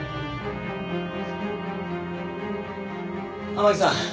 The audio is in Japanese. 天樹さん。